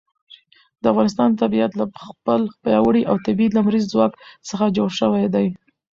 د افغانستان طبیعت له خپل پیاوړي او طبیعي لمریز ځواک څخه جوړ شوی دی.